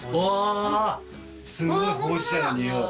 すごいほうじ茶のにおい！